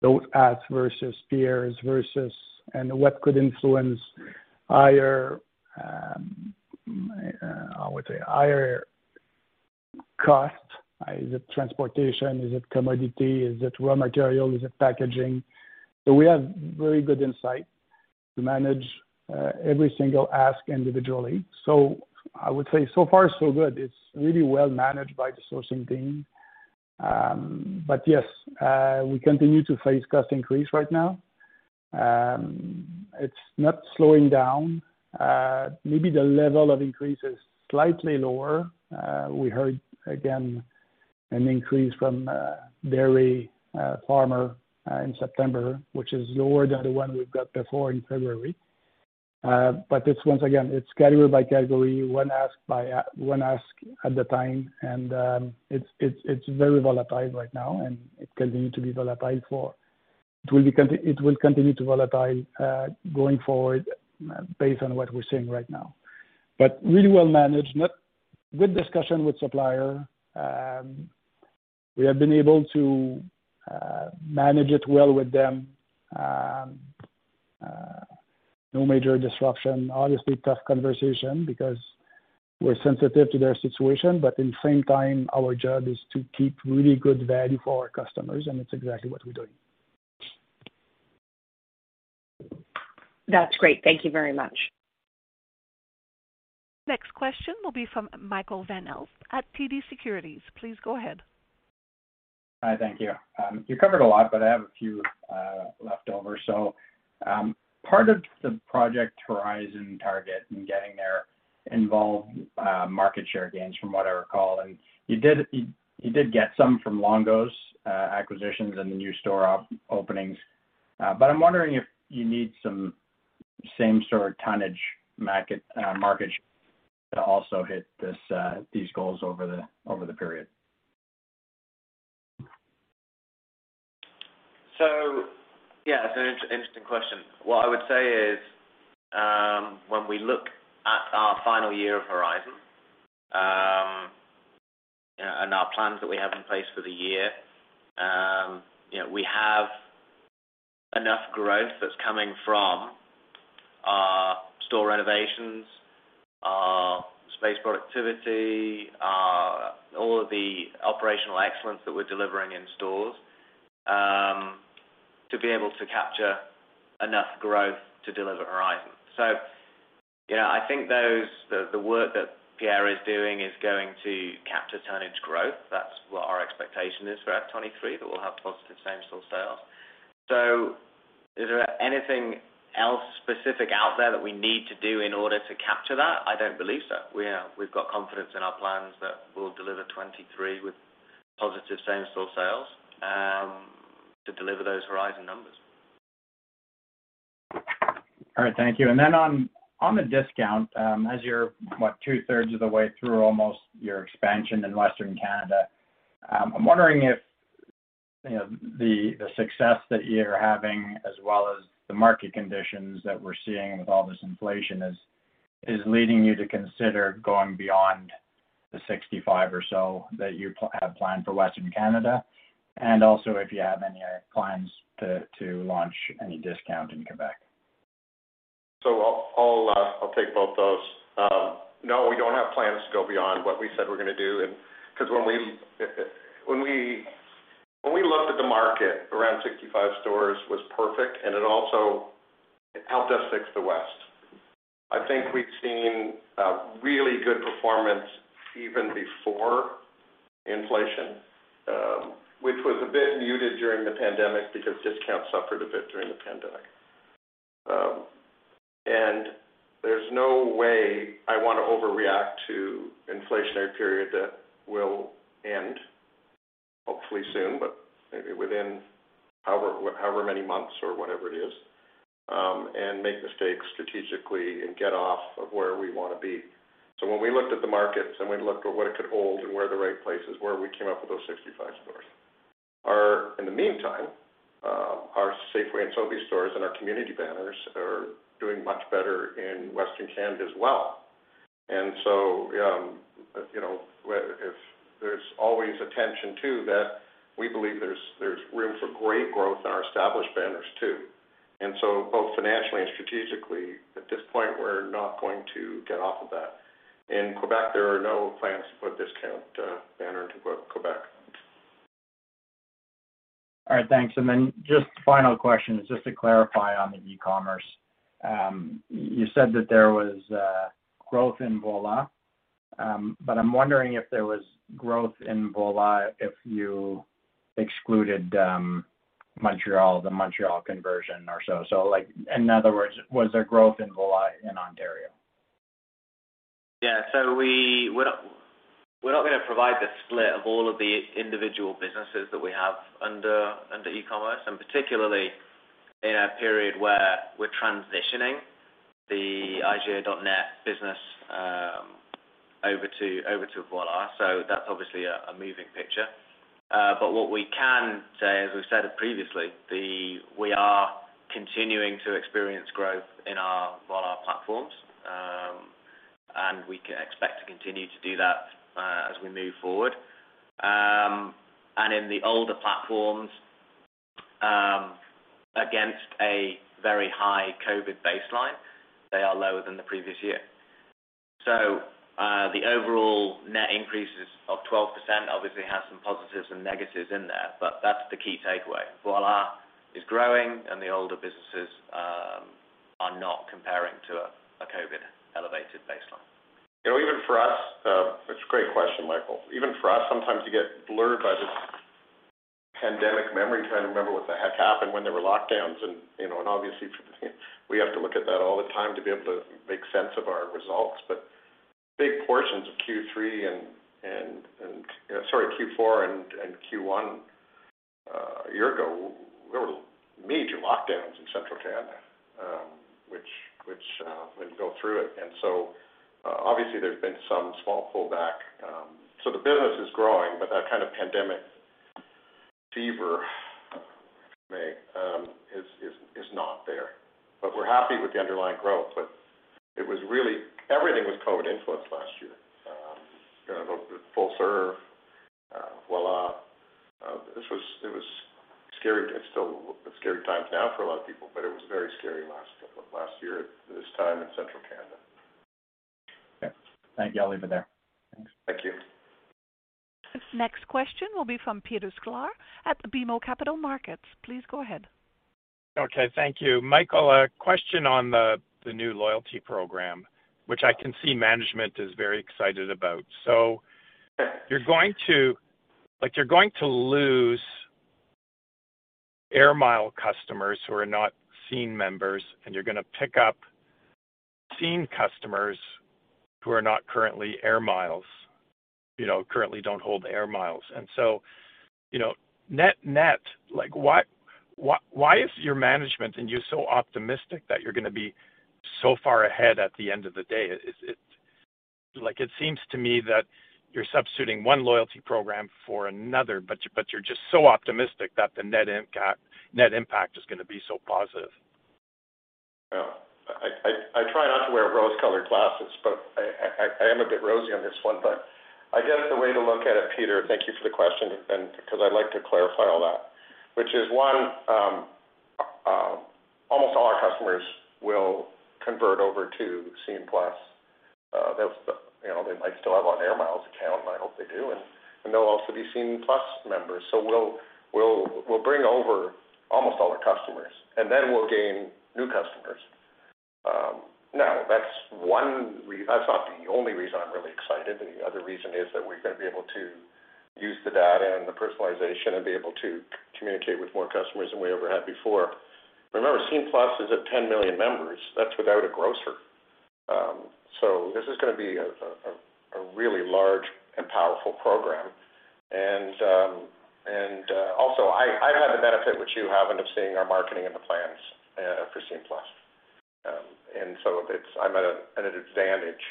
those asks versus peers, versus. What could influence higher. I would say higher cost. Is it transportation? Is it commodity? Is it raw material? Is it packaging? We have very good insight to manage every single ask individually. I would say so far so good. It's really well managed by the sourcing team. Yes, we continue to face cost increases right now. It's not slowing down. Maybe the level of increase is slightly lower. We heard, again, an increase from dairy farmers in September, which is lower than the one we've got before in February. It's once again, it's category by category, one ask at a time. It's very volatile right now, and it continues to be volatile. It will continue to be volatile going forward based on what we're seeing right now. Really well managed. Good discussion with supplier. We have been able to manage it well with them. No major disruption. Obviously, tough conversation because we're sensitive to their situation, but at the same time, our job is to keep really good value for our customers, and it's exactly what we're doing. That's great. Thank you very much. Next question will be from Michael Van Aelst at TD Securities. Please go ahead. Hi, thank you. You covered a lot, but I have a few left over. Part of the Project Horizon target in getting there involved market share gains from what I recall. You did get some from Longo's acquisitions and the new store openings. I'm wondering if you need some same store tonnage market to also hit these goals over the period. Yeah, it's an interesting question. What I would say is, when we look at our final year of Horizon, and our plans that we have in place for the year, you know, we have enough growth that's coming from our store renovations, our space productivity, all of the operational excellence that we're delivering in stores, to be able to capture enough growth to deliver Horizon. You know, I think the work that Pierre St-Laurent is doing is going to capture tonnage growth. That's what our expectation is for FY 2023, that we'll have positive same-store sales. Is there anything else specific out there that we need to do in order to capture that? I don't believe so. We've got confidence in our plans that we'll deliver 2023 with positive same-store sales, to deliver those Horizon numbers. All right, thank you. On the discount, as you're 2/3 of the way through almost your expansion in Western Canada, I'm wondering if, you know, the success that you're having as well as the market conditions that we're seeing with all this inflation is leading you to consider going beyond the 65 or so that you have planned for Western Canada, and also if you have any plans to launch any discount in Quebec. I'll take both those. No, we don't have plans to go beyond what we said we're gonna do. 'Cause when we looked at the market, around 65 stores was perfect, and it also helped us fix the West. I think we've seen a really good performance even before inflation, which was a bit muted during the pandemic because discount suffered a bit during the pandemic. There's no way I wanna overreact to inflationary period that will end hopefully soon, but maybe within however many months or whatever it is, and make mistakes strategically and get off of where we wanna be. When we looked at the markets and we looked at what it could hold and where the right place is, where we came up with those 65 stores. In the meantime, our Safeway and Sobeys stores and our community banners are doing much better in Western Canada as well. If there's always attention to that, we believe there's room for great growth in our established banners too. Both financially and strategically, at this point, we're not going to get off of that. In Quebec, there are no plans to put discount banner into Quebec. All right, thanks. Just final question, just to clarify on the e-commerce. You said that there was growth in Voilà, but I'm wondering if there was growth in Voilà if you excluded Montréal, the Montréal conversion or so. Like, in other words, was there growth in Voilà in Ontario? We're not gonna provide the split of all of the individual businesses that we have under e-commerce, and particularly in a period where we're transitioning the IGA.net business over to Voilà. That's obviously a moving picture. What we can say, as we've said previously, we are continuing to experience growth in our Voilà platforms, and we can expect to continue to do that as we move forward. In the older platforms, against a very high COVID baseline, they are lower than the previous year. The overall net increases of 12% obviously has some positives and negatives in there, but that's the key takeaway. Voilà is growing, and the older businesses are not comparing to a COVID elevated baseline. You know, even for us, it's a great question, Michael. Even for us, sometimes you get blurred by this pandemic memory, trying to remember what the heck happened when there were lockdowns, you know, obviously we have to look at that all the time to be able to make sense of our results. Big portions of Q3 and Q4 and Q1 a year ago, there were major lockdowns in Central Canada, which we can go through it. Obviously there's been some small pullback. The business is growing, but that kind of pandemic fever is not there. We're happy with the underlying growth. It was really, everything was COVID influenced last year. You know, full serve Voilà. It was scary. It's still a scary time now for a lot of people, but it was very scary last year at this time in Central Canada. Okay. Thank you. I'll leave it there. Thanks. Thank you. Next question will be from Peter Sklar at the BMO Capital Markets. Please go ahead. Okay. Thank you. Michael, a question on the new loyalty program, which I can see management is very excited about. You're going to lose Air Miles customers who are not Scene members, and you're gonna pick up Scene customers who are not currently Air Miles, you know, currently don't hold Air Miles. You know, net, like, why is your management and you so optimistic that you're gonna be so far ahead at the end of the day? Like, it seems to me that you're substituting one loyalty program for another, but you're just so optimistic that the net impact is gonna be so positive. Well, I try not to wear rose-colored glasses, but I am a bit rosy on this one. I guess the way to look at it, Peter, thank you for the question, because I'd like to clarify all that, which is one, almost all our customers will convert over to Scene+. They'll, you know, they might still have an Air Miles account, and I hope they do, and they'll also be Scene+ members. So we'll bring over almost all our customers, and then we'll gain new customers. Now that's one. That's not the only reason I'm really excited. The other reason is that we're gonna be able to use the data and the personalization and be able to communicate with more customers than we ever have before. Remember, Scene+ is at 10 million members. That's without a grocer. This is gonna be a really large and powerful program. Also I have the benefit which you haven't of seeing our marketing and the plans for Scene+. I'm at an advantage.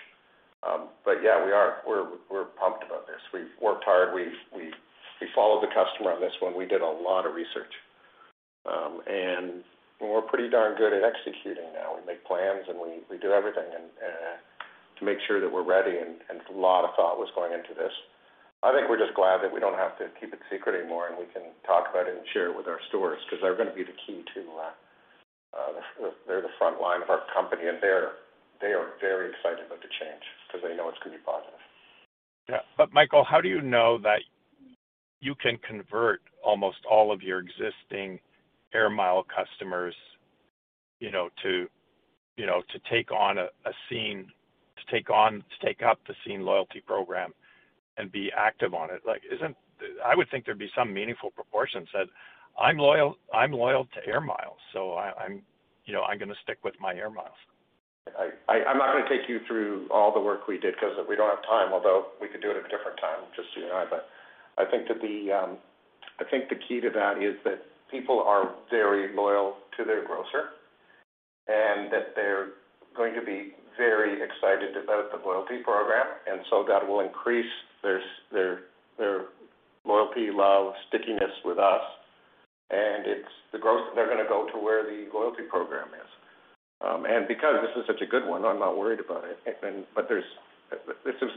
Yeah, we're pumped about this. We've worked hard. We followed the customer on this one. We did a lot of research. We're pretty darn good at executing now. We make plans, and we do everything to make sure that we're ready, and a lot of thought was going into this. I think we're just glad that we don't have to keep it secret anymore, and we can talk about it and share it with our stores because they're gonna be the key to. They're the front line of our company, and they are very excited about the change because they know it's gonna be positive. Yeah. Michael, how do you know that you can convert almost all of your existing Air Miles customers, you know, to take up the Scene+ loyalty program and be active on it? Like, I would think there'd be some meaningful proportions that, "I'm loyal to Air Miles, so I'm gonna stick with my Air Miles. I'm not gonna take you through all the work we did 'cause we don't have time, although we could do it at a different time, just you and I. I think the key to that is that people are very loyal to their grocer and that they're going to be very excited about the loyalty program. That will increase their loyalty, love, stickiness with us. It's the gross. They're gonna go to where the loyalty program is. Because this is such a good one, I'm not worried about it. This was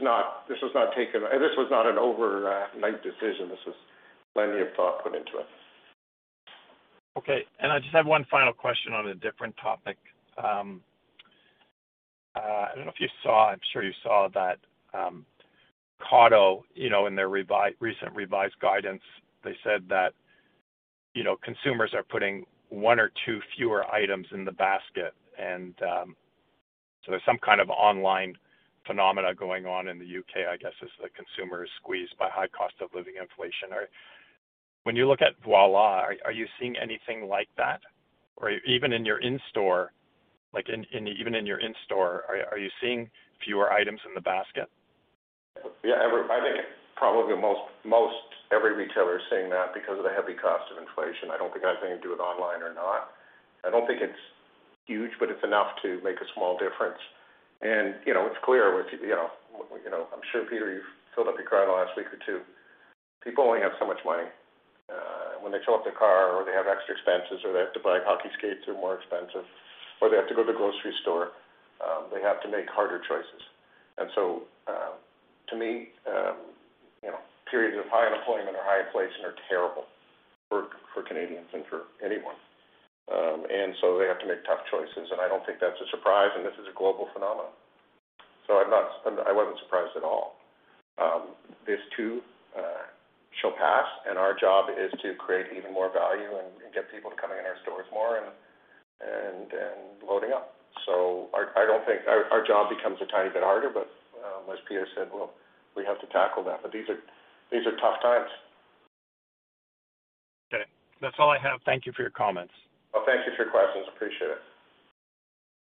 not an overnight decision. This was plenty of thought put into it. Okay. I just have one final question on a different topic. I don't know if you saw, I'm sure you saw that, Tesco, you know, in their recent revised guidance, they said that, you know, consumers are putting one or two fewer items in the basket. So there's some kind of online phenomenon going on in the U.K., I guess, as the consumer is squeezed by high cost of living inflation. Or when you look at Voilà, are you seeing anything like that? Or even in your in-store, like even in your in-store, are you seeing fewer items in the basket? I think probably most every retailer is seeing that because of the heavy cost of inflation. I don't think that has anything to do with online or not. I don't think it's huge, but it's enough to make a small difference. You know, it's clear. I'm sure, Peter, you've filled up your car in the last week or two. People only have so much money. When they fill up their car or they have extra expenses or they have to buy hockey skates are more expensive or they have to go to the grocery store, they have to make harder choices. To me, you know, periods of high unemployment or high inflation are terrible for Canadians and for anyone. They have to make tough choices, and I don't think that's a surprise, and this is a global phenomenon. I wasn't surprised at all. This too shall pass, and our job is to create even more value and get people to come in our stores more and loading up. I don't think. Our job becomes a tiny bit harder, but as Peter said, well, we have to tackle that. These are tough times. Okay. That's all I have. Thank you for your comments. Well, thank you for your questions. Appreciate it.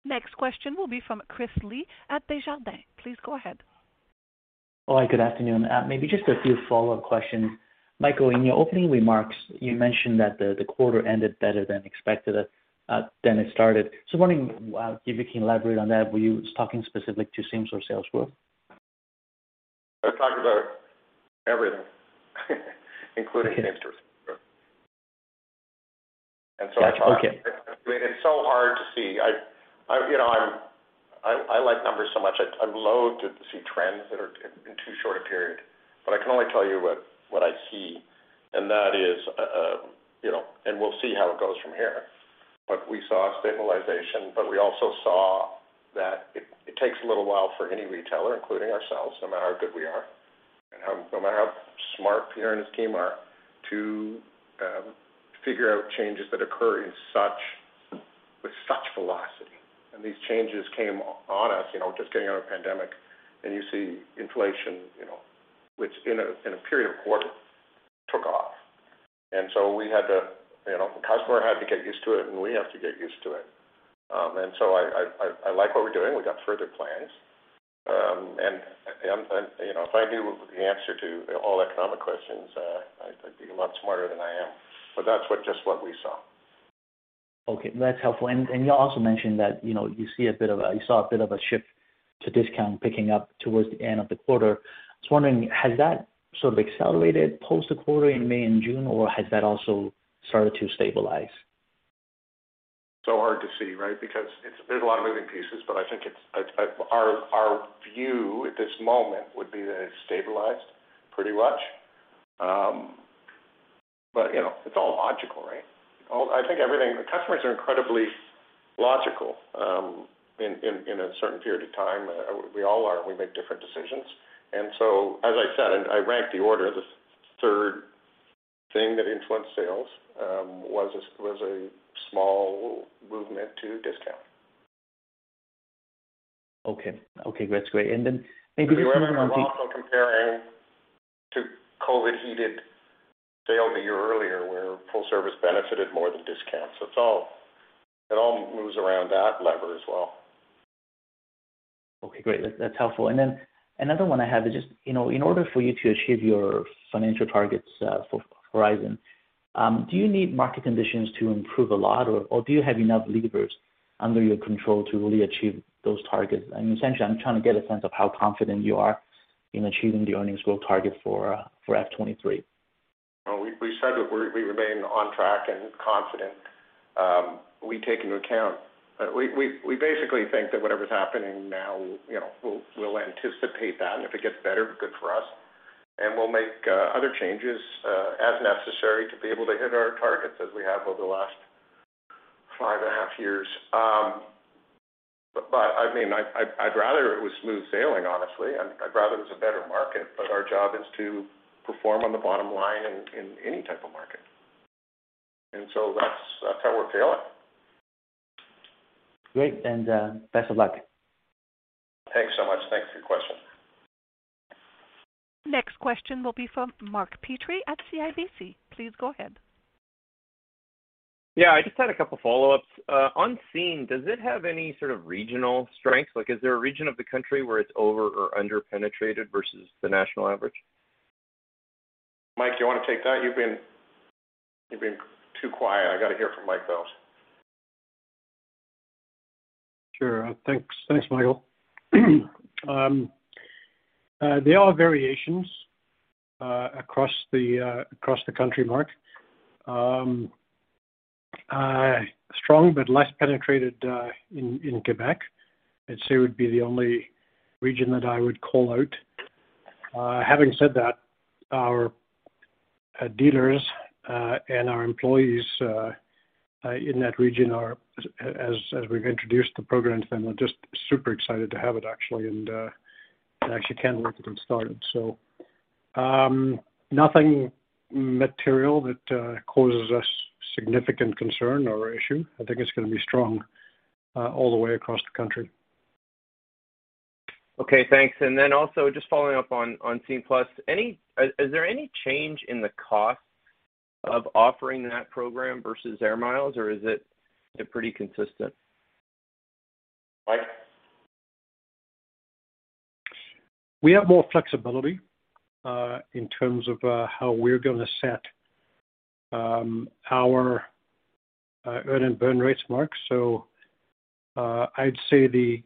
Next question will be from Chris Li at Desjardins. Please go ahead. All right. Good afternoon. Maybe just a few follow-up questions. Michael, in your opening remarks, you mentioned that the quarter ended better than expected, than it started. Wondering if you can elaborate on that. Were you talking specific to same-store sales growth? I was talking about everything, including interest. Gotcha. Okay. I find. I mean, it's so hard to see. I you know, I'm. I like numbers so much. I loathe to see trends that are in too short a period, but I can only tell you what I see, and that is, you know. We'll see how it goes from here. We saw stabilization, but we also saw that it takes a little while for any retailer, including ourselves, no matter how good we are, no matter how smart Peter and his team are, to figure out changes that occur with such velocity. These changes came on us, you know, just getting out of pandemic. You see inflation, you know, which in a period of a quarter took off. We had to. You know, the customer had to get used to it, and we have to get used to it. I like what we're doing. We got further plans. You know, if I knew the answer to all economic questions, I'd be a lot smarter than I am. That's what, just what we saw. Okay. That's helpful. You also mentioned that, you know, you saw a bit of a shift to discount picking up towards the end of the quarter. I was wondering, has that sort of accelerated post the quarter in May and June, or has that also started to stabilize? Hard to see, right? Because there's a lot of moving pieces, but our view at this moment would be that it's stabilized pretty much. But you know, it's all logical, right? I think everything the customers are incredibly logical in a certain period of time. We all are, and we make different decisions. As I said, I ranked the order, the third thing that influenced sales was a small movement to discount. Okay. Okay, great. Maybe just one more. Remember, we're also comparing to COVID-heated sales the year earlier, where full service benefited more than discount. It's all moves around that lever as well. Okay, great. That's helpful. Then another one I have is just, you know, in order for you to achieve your financial targets for Horizon, do you need market conditions to improve a lot or do you have enough levers under your control to really achieve those targets? Essentially, I'm trying to get a sense of how confident you are in achieving the earnings growth target for FY 2023. Well, we said that we remain on track and confident. We take into account. We basically think that whatever's happening now, you know, we'll anticipate that. If it gets better, good for us. We'll make other changes as necessary to be able to hit our targets as we have over the last five and a half years. I mean, I'd rather it was smooth sailing, honestly, and I'd rather it was a better market, but our job is to perform on the bottom line in any type of market. That's how we're feeling. Great. Best of luck. Thanks so much. Thanks for your question. Next question will be from Mark Petrie at CIBC. Please go ahead. Yeah, I just had a couple follow-ups. On Scene, does it have any sort of regional strength? Like, is there a region of the country where it's over or under-penetrated versus the national average? Michael Vels, you wanna take that? You've been too quiet. I gotta hear from Michael Vels. Sure. Thanks. Thanks, Michael. There are variations across the country, Mark. Strong but less penetrated in Quebec, I'd say would be the only region that I would call out. Having said that, our dealers and our employees in that region, as we've introduced the program to them, are just super excited to have it actually and can't wait to get started. Nothing material that causes us significant concern or issue. I think it's gonna be strong all the way across the country. Okay, thanks. Also just following up on Scene+, is there any change in the cost of offering that program versus Air Miles, or is it pretty consistent? Mike? We have more flexibility in terms of how we're gonna set our earn and burn rates, Mark. I'd say the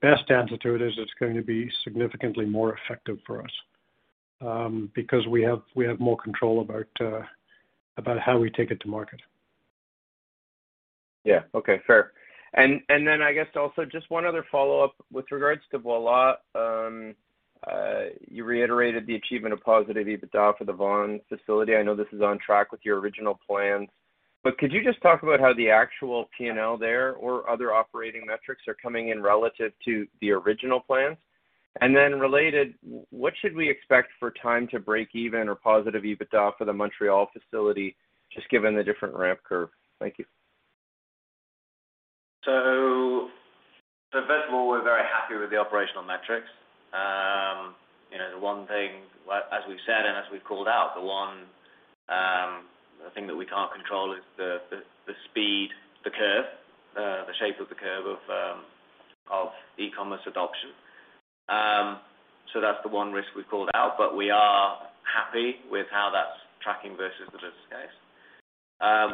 best attitude is it's going to be significantly more effective for us, because we have more control about how we take it to market. Yeah. Okay, fair. I guess also just one other follow-up with regards to Voilà, you reiterated the achievement of positive EBITDA for the Vaughan facility. I know this is on track with your original plans, but could you just talk about how the actual P&L there or other operating metrics are coming in relative to the original plans? Related, what should we expect for time to break even or positive EBITDA for the Montreal facility, just given the different ramp curve? Thank you. First of all, we're very happy with the operational metrics. You know, the one thing, like as we've said and as we've called out, the thing that we can't control is the speed, the curve, the shape of the curve of e-commerce adoption. That's the one risk we've called out, but we are happy with how that's tracking versus the business case.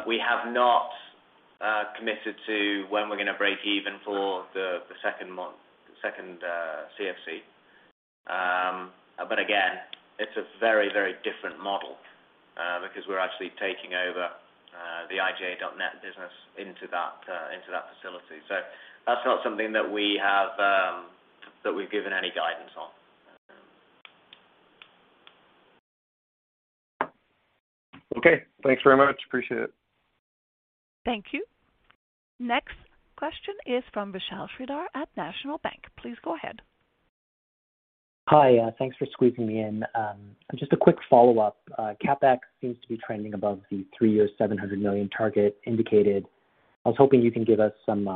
We have not committed to when we're gonna break even for the second CFC. Again, it's a very different model because we're actually taking over the IGA.net business into that facility. That's not something that we've given any guidance on. Okay. Thanks very much. Appreciate it. Thank you. Next question is from Vishal Shreedhar at National Bank Financial. Please go ahead. Hi, thanks for squeezing me in. Just a quick follow-up. CapEx seems to be trending above the three-year 700 million target indicated. I was hoping you can give us some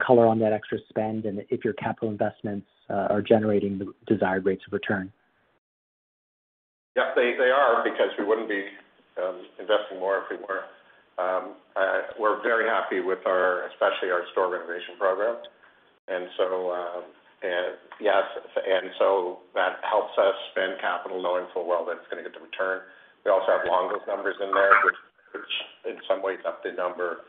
color on that extra spend and if your capital investments are generating the desired rates of return. Yeah, they are, because we wouldn't be investing more if we weren't. We're very happy with our especially our store renovation program. That helps us spend capital knowing full well that it's gonna get the return. We also have Longo's numbers in there, which in some ways ups the number.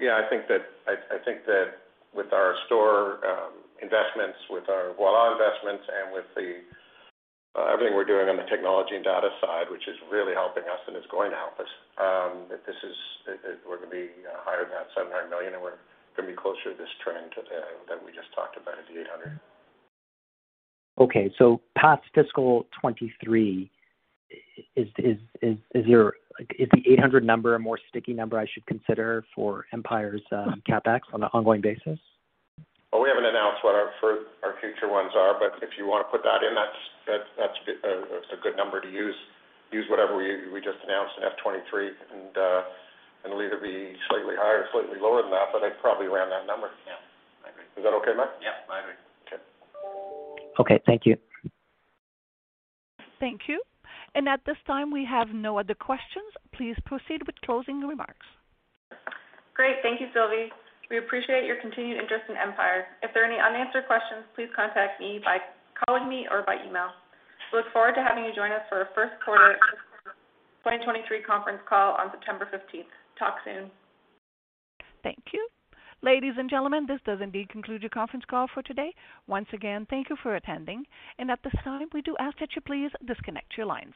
Yeah, I think that with our store investments, with our Voilà investments and with everything we're doing on the technology and data side, which is really helping us and is going to help us, that this is we're gonna be, you know, higher than that 700 million, and we're gonna be closer to this trend today that we just talked about at the 800 million. Okay. Past fiscal 2023, is the 800 number a more sticky number I should consider for Empire's CapEx on an ongoing basis? Well, we haven't announced what our future ones are, but if you wanna put that in, that's a good number to use. Use whatever we just announced in FY 2023 and it'll either be slightly higher or slightly lower than that, but I'd probably round that number. Yeah. I agree. Is that okay, Mark? Yeah, I agree. Okay. Okay. Thank you. Thank you. At this time, we have no other questions. Please proceed with closing remarks. Great. Thank you, Sylvie. We appreciate your continued interest in Empire. If there are any unanswered questions, please contact me by calling me or by email. We look forward to having you join us for our first quarter 2023 conference call on September fifteenth. Talk soon. Thank you. Ladies and gentlemen, this does indeed conclude your conference call for today. Once again, thank you for attending. At this time, we do ask that you please disconnect your lines.